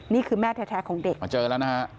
นี่คือแม่แท้ของเด็กมาเจอแล้วนะฮะ